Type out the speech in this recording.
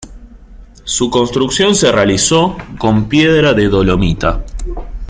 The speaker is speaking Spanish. Su construcción se realizó con piedra de dolomita.